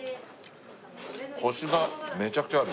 コシがめちゃくちゃある。